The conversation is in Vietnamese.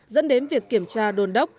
dẫn đến việc kiểm tra đồn đốc